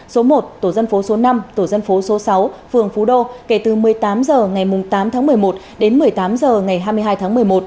số một tổ dân phố số năm tổ dân phố số sáu phường phú đô kể từ một mươi tám h ngày tám tháng một mươi một đến một mươi tám h ngày hai mươi hai tháng một mươi một